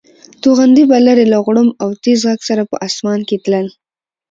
توغندي به لرې له غړومب او تېز غږ سره په اسمان کې تلل.